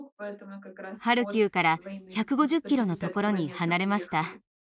ハルキウから１５０キロのところに離れました。